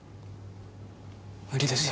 無理ですよ。